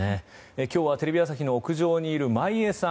今日はテレビ朝日の屋上にいる眞家さん。